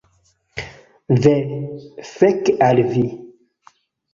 Ve, fek al vi!